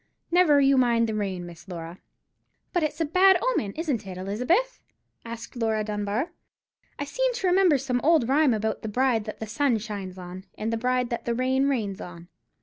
Never you mind the rain, Miss Laura." "But it's a bad omen, isn't it, Elizabeth?" asked Laura Dunbar. "I seem to remember some old rhyme about the bride that the sun shines on, and the bride that the rain rains on."